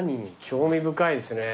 興味深いですね。